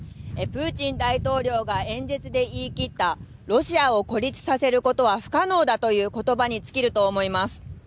プーチン大統領が演説で言い切ったロシアを孤立させることは不可能だという言葉に尽きると思います。